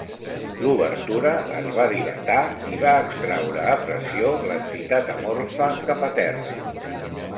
L'obertura es va dilatar i va extraure a pressió l'entitat amorfa cap a terra.